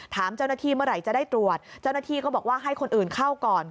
ถามเจ้าหน้าที่เมื่อไหร่จะได้ตรวจเจ้าหน้าที่ก็บอกว่าให้คนอื่นเข้าก่อน